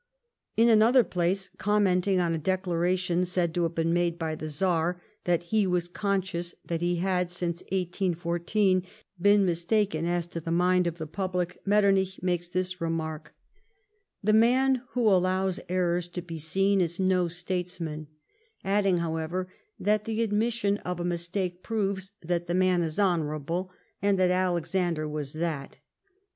In another ])lace, commenting on a declaration said to have been made by the Czar, that he was conscious that he had, since 1814, been mistaken as to the mind of the public, Metternich makes tiiis remark :" The man who GOVERNMENT BY BEPEESSION. 155 allows errors to be seen is no statesman ;" adding, how ever, that the admission of a mistake proves that the man is honourable, and that Alexander was that.